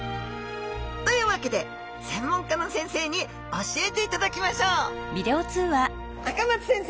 というわけで専門家の先生に教えていただきましょう赤松先生！